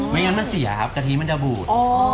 งั้นมันเสียครับกะทิมันจะบูด